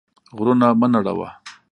غرونه مه نړوه.